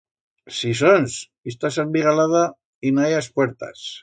Sisons? Ista santmigalada en i hai a espuertas.